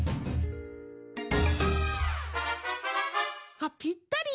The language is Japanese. あっぴったり！